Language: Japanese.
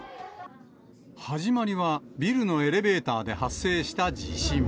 始まりはビルのエレベーターで発生した地震。